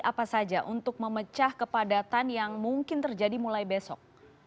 apa saja untuk memecah kepadatan yang mungkin terjadi mulai besok